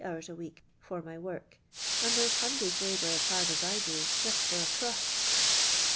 hiuirs a week for my work, and there's hundreds labour as hard as 1 d.>, jusi for a c;u.Mt."